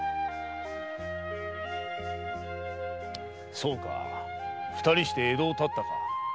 そうか二人して江戸を発ったか。